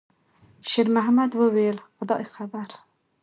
شېرمحمد وویل: «خدای خبر.»